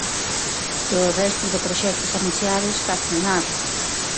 Do resto de proxectos anunciados, case nada.